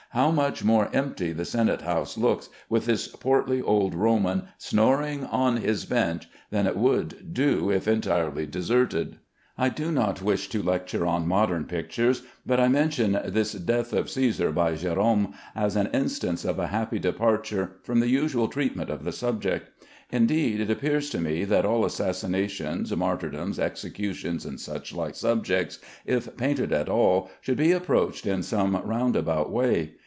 How much more empty the senate house looks, with this portly old Roman snoring on his bench, than it would do if entirely deserted! I do not wish to lecture on modern pictures, but I mention this "Death of Caesar" by Gerome as an instance of a happy departure from the usual treatment of the subject. Indeed, it appears to me that all assassinations, martyrdoms, executions, and such like subjects, if painted at all, should be approached in some roundabout way.